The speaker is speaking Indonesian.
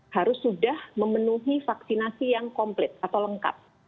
harus sudah memenuhi vaksinasi yang komplit atau lengkap